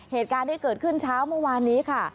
เหตุการณ์ที่เกิดขึ้นเช้าเมื่อวานนี้ค่ะ